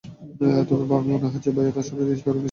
ভাবি, মনে হচ্ছে ভাইয়া তার সন্ধ্যার নিউজপেপার মিস করছে!